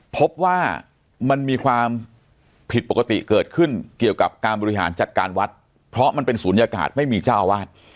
พบว่ามันมีความผิดปกติเกิดขึ้นเกี่ยวกับการบริหารจัดการวัดเพราะมันเป็นศูนยากาศไม่มีเจ้าอาวาส